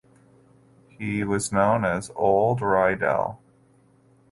He was known as "Old Riedel".